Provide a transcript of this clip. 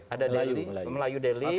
ada delhi melayu delhi